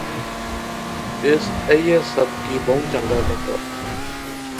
اس ایہہ سب کی بہوں چنگا لاغا